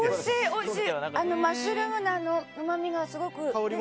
おいしいマッシュルームのうまみがすごく。